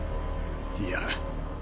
いや。